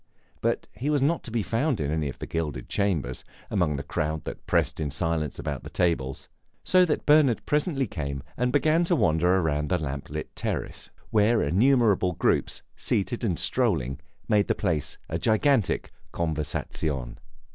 But he was not to be found in any of the gilded chambers, among the crowd that pressed in silence about the tables; so that Bernard presently came and began to wander about the lamp lit terrace, where innumerable groups, seated and strolling, made the place a gigantic conversazione.